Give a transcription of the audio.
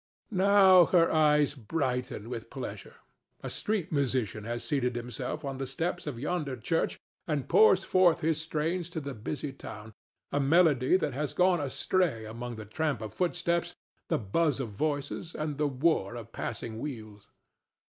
Now her eyes brighten with pleasure. A street musician has seated himself on the steps of yonder church and pours forth his strains to the busy town—a melody that has gone astray among the tramp of footsteps, the buzz of voices and the war of passing wheels.